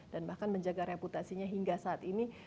dan bahkan menjaga reputasinya hingga saat ini